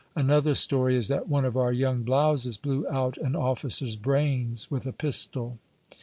Another story is that one of our young blouses blew out an officer's brains with a pistol."